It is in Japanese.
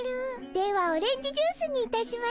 ではオレンジジュースにいたしましょう。